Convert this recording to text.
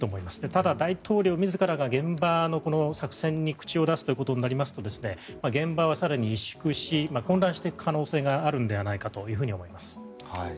ただ、大統領自らが現場の作戦に口を出すことになりますと現場は更に萎縮し混乱していく可能性があるのではないかと思います。